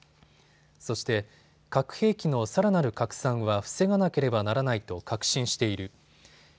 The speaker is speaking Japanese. そして、核兵器のさらなる拡散は防がなければならないと確信している。